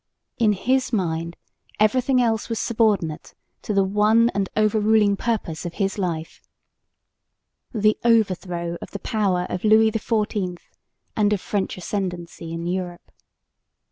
In his mind, everything else was subordinate to the one and overruling purpose of his life, the overthrow of the power of Louis XIV and of French ascendancy in Europe.